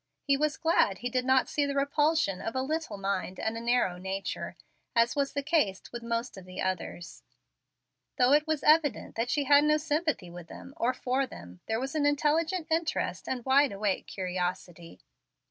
He was glad he did not see the repulsion of a little mind and a narrow nature, as was the case with most of the others. Though it was evident that she had no sympathy with them, or for them, there was intelligent interest and wide awake curiosity.